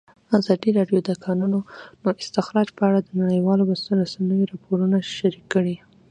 ازادي راډیو د د کانونو استخراج په اړه د نړیوالو رسنیو راپورونه شریک کړي.